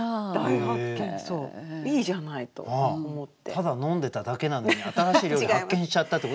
ただ飲んでただけなのに新しい料理発見しちゃったってこと？